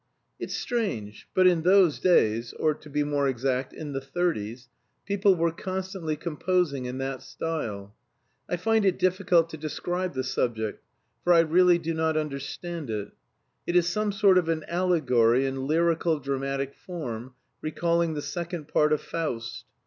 It's strange, but in those days (or to be more exact, in the thirties) people were constantly composing in that style. I find it difficult to describe the subject, for I really do not understand it. It is some sort of an allegory in lyrical dramatic form, recalling the second part of Faust.